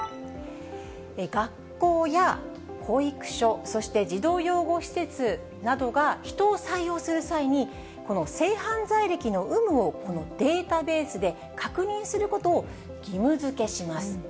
学校や保育所、そして児童養護施設などが人を採用する際に、この性犯罪歴の有無をこのデータベースで確認することを義務づけします。